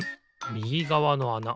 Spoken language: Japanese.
みぎがわのあな